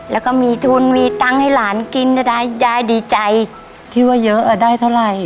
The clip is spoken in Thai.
แล้วก็มีทุนมีตังค์ให้หลานกินจะได้ยายดีใจที่ว่าเยอะได้เท่าไหร่